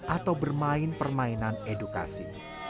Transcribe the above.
atau bermain permainan edukasi